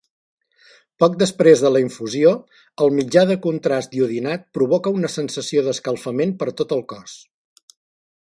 Poc després de la infusió, el mitjà de contrast iodinat provoca una sensació d'escalfament per tot el cos.